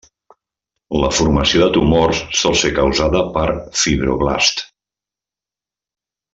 La formació de tumors sol ser causada per fibroblasts.